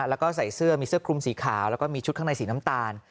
แล้วก็ใส่เสื้อมีเสื้อคลุมสีขาวแล้วก็มีชุดข้างในสีน้ำตาล